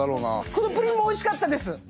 このプリンもおいしかったです。